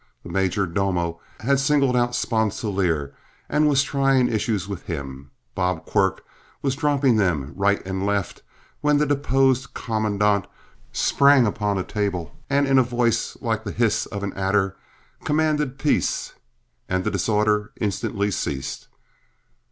The "major domo" had singled out Sponsilier and was trying issues with him, Bob Quirk was dropping them right and left, when the deposed commandant sprang upon a table, and in a voice like the hiss of an adder, commanded peace, and the disorder instantly ceased.